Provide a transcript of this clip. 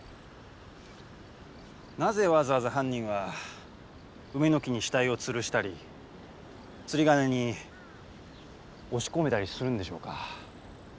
なぜわざわざ犯人は梅の木に死体をつるしたり釣り鐘に押し込めたりするんでしょうか？